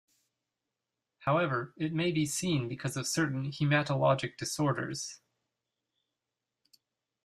However, it may be seen because of certain hematologic disorders.